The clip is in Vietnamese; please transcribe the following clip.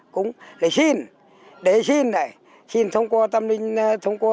cúng lễ xin để xin này xin thông qua tâm linh thông qua